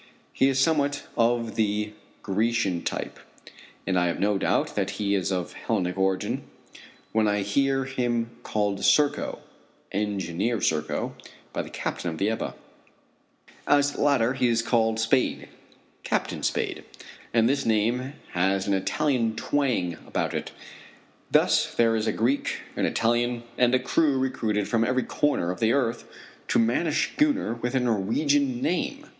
He is somewhat of the Grecian type, and I have no doubt that he is of Hellenic origin when I hear him called Serko Engineer Serko by the Captain of the Ebba. As to the latter, he is called Spade Captain Spade and this name has an Italian twang about it. Thus there is a Greek, an Italian, and a crew recruited from every corner of the earth to man a schooner with a Norwegian name!